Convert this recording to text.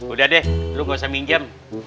udah deh lo gak usah minjem